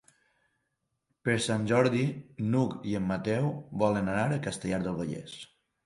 Per Sant Jordi n'Hug i en Mateu volen anar a Castellar del Vallès.